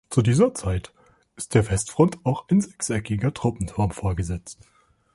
Zu dieser Zeit ist der Westfront auch ein sechseckiger Treppenturm vorgesetzt.